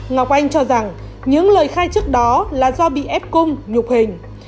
ngọc anh cho rằng những lời khai trước đó là do bị ép cung nhục hình